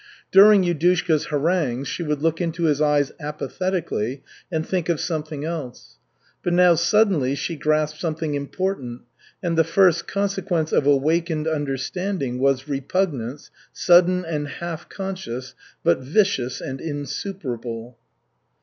During Yudushka's harangues she would look into his eyes apathetically, and think of something else. But now suddenly she grasped something important, and the first consequence of awakened understanding was repugnance, sudden and half conscious, but vicious and insuperable.